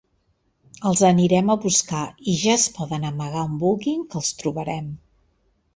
Els anirem a buscar i ja es poden amagar on vulguin que els trobarem.